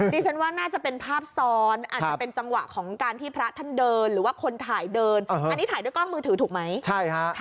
ดิฉันว่าน่าจะเป็นภาพซ้อนอาจจะเป็นจังหวะของการที่พระท่านเดินหรือว่าคนถ่ายเดินอันนี้ถ่ายด้วยกล้องมือถือถูกไหม